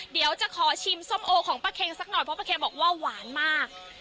เดี๋ยวจะขอชิมส้มโอของป้าเค็งสักหน่อยเพราะป้าเคบอกว่าหวานมาก